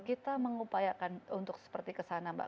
kita mengupayakan untuk seperti kesana mbak